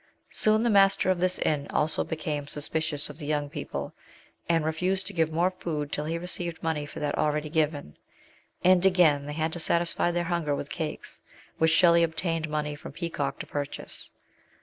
Soon the master of this inn also became suspicious of the young people, and refused to give more food till he received money for that already given ; and again they had to satisfy their hunger with cakes, which Shelley obtained money from Peacock to purchase.